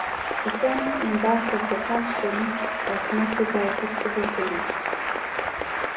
The front and back of the plastron are connected by a flexible hinge.